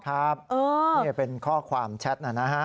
ครับนี่เป็นข้อความแชทนะฮะ